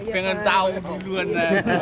pengen tahu duluan